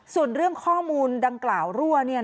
ส่วนเรื่องข้อมูลดังกล่าวรั่ว